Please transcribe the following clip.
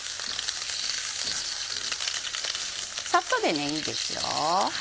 サッとでいいですよ。